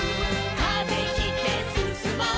「風切ってすすもう」